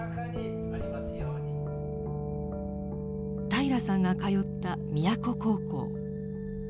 平良さんが通った宮古高校。